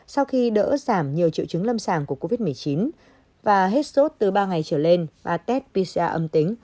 sau khi đỡ giảm nhiều triệu chứng lâm sàng của covid một mươi chín và hết sốt từ ba ngày trở lên a test pisia âm tính